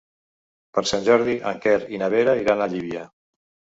Per Sant Jordi en Quer i na Vera iran a Llívia.